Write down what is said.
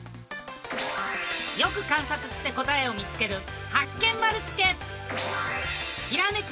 よく観察して答えを見つけるひらめく